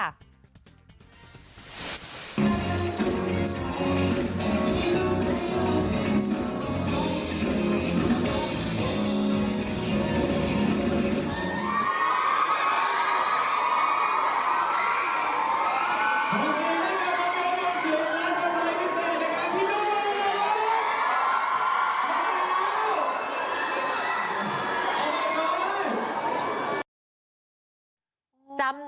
ขอบคุณกับน้ำยอดอย่าลั่งการทำพลังมิสัยในการผิดด่อมน้ำยอด